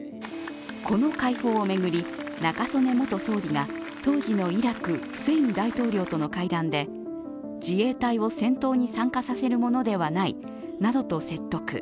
この解放を巡り、中曽根元総理が当時のイラク・フセイン大統領との会談で自衛隊を戦闘に参加させるものではないなどと説得。